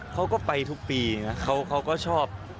เขาก็ไปทุกปีนะเขาก็ชอบ